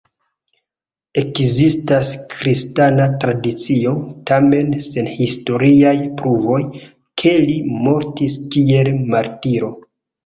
Ekzistas kristana tradicio, tamen sen historiaj pruvoj, ke li mortis kiel martiro.